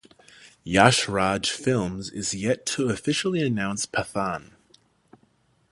Yash Raj Films is yet to officially announce Pathan.